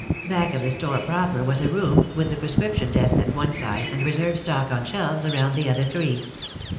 Back of the store proper was a room, with the prescription desk at one side and reserve stock on shelves around the other three.